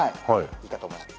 いいかと思います。